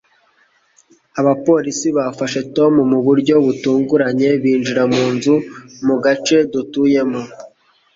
abapolisi bafashe tom mu buryo butunguranye, binjira mu nzu mu gace dutuyemo